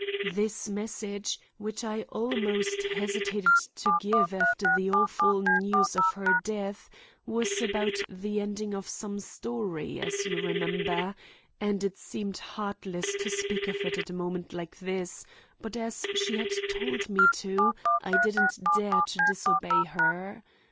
This message, which I almost hesitated to give after the awful news of her death, was about the ending of some story, as you remember, and it seemed heartless to speak of it at a moment like this, but as she had told me to, I didn't dare to disobey her.